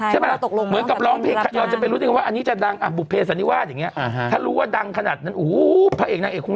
ใช่เพราะว่าตกลงแล้วกับผู้รับจ้าง